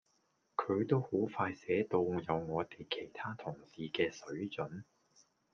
佢都好快寫到有我哋其他同事嘅水準